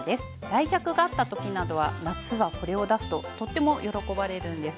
来客があった時などは夏はこれを出すととっても喜ばれるんです。